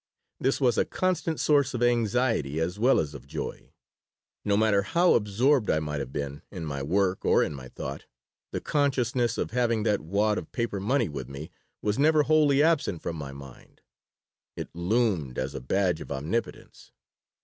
This was a constant source of anxiety as well as of joy. No matter how absorbed I might have been in my work or in thought, the consciousness of having that wad of paper money with me was never wholly absent from my mind. It loomed as a badge of omnipotence.